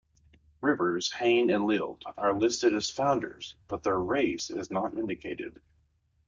Rivers, Hayne and Leeld are listed as founders but their race is not indicated.